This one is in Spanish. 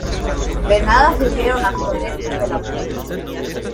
De nada sirvieron las protestas del autor.